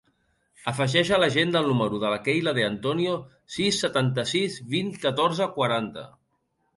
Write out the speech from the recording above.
Afegeix a l'agenda el número de la Keyla De Antonio: sis, setanta-sis, vint, catorze, quaranta.